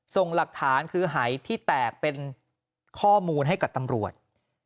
ส่งหลักฐานคือหายที่แตกเป็นข้อมูลให้กับตำรวจ